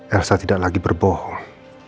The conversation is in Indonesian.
elsa tidak lagi berbohong